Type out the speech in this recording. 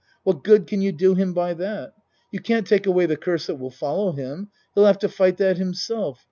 What good can you do him by that? You can't take away the curse that will fol low him. He'll have to fight that himself.